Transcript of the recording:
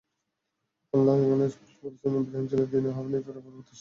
আল্লাহ্ এখানে স্পষ্ট বলেছেন যে, ইবরাহীম ছিলেন দীনে হানীফের উপর প্রতিষ্ঠিত।